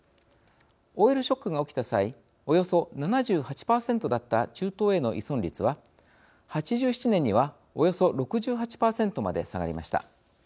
オイルショックが起きた際およそ７８％だった中東への依存率は８７年には、およそ６８％まで下がりました。